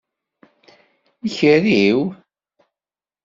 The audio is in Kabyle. Ikeri-w?